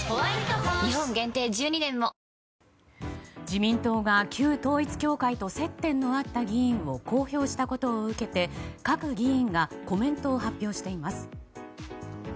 自民党が旧統一教会と接点のあった議員を公表したことを受けて各議員がコメントを発表しています。